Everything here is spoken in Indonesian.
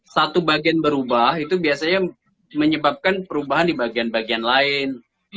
satu bagian berubah itu biasanya menyebabkan perubahan di bagian bagian lain